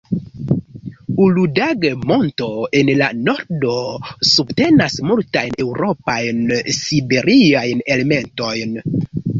Uludag-Monto, en la nordo, subtenas multajn eŭropajn-siberiajn elementojn.